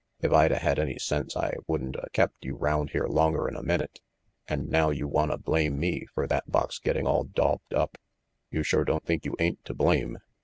"If I'd a had any sense I wouldn't a kept you round here longer'n a minute. And now you wanta blame me fer that box getting all daubed up." "You shore don't think you ain't to blame?"